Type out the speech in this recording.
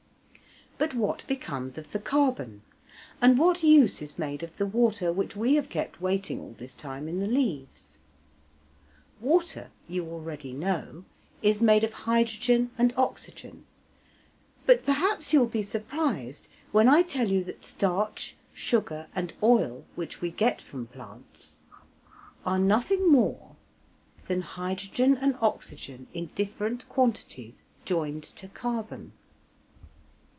But what becomes of the carbon? And what use is made of the water which we have kept waiting all this time in the leaves? Water, you already know, is made of hydrogen and oxygen, but perhaps you will be surprised when I tell you that starch, sugar, and oil, which we get from plants, are nothing more than hydrogen and oxygen in different quantities joined to carbon.